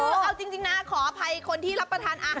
โอ้โหโหโห